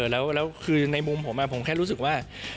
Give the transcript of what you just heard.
แล้วคือในมุมผมผมแค่รู้สึกว่า